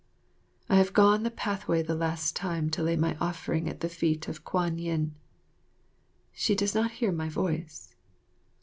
I have gone the pathway the last time to lay my offering at the feet of Kwan yin. She does not hear my voice.